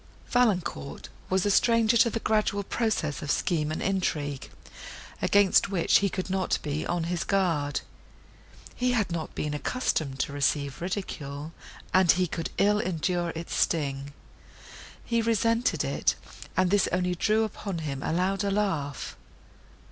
Valancourt was a stranger to the gradual progress of scheme and intrigue, against which he could not be on his guard. He had not been accustomed to receive ridicule, and he could ill endure its sting; he resented it, and this only drew upon him a louder laugh.